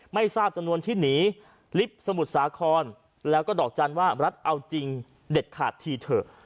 ไม่ทราบจำนวนที่หนีลิฟต์สมุทรสาครแล้วก็ดอกจันทร์ว่ารัฐเอาจริงเด็ดขาดทีเถอะ